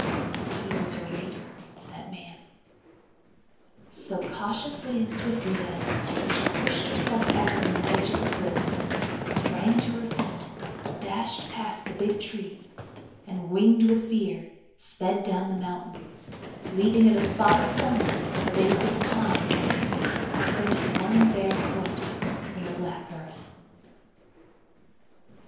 He was a "raider" that man: so, cautiously and swiftly then, she pushed herself back from the edge of the cliff, sprang to her feet, dashed past the big tree and, winged with fear, sped down the mountain leaving in a spot of sunlight at the base of the pine the print of one bare foot in the black earth.